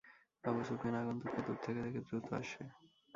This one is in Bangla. আবু সুফিয়ান আগন্তককে দূর থেকে দেখে দ্রুত আসে।